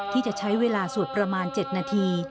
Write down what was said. ที่จะใช้เวลาสวดประมาณ๗นาที